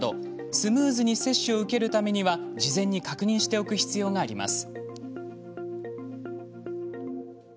スムーズに接種を受けるためには事前に確認しておく必要があります。